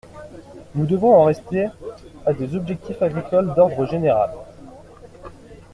Nous devons en rester à des objectifs agricoles d’ordre général.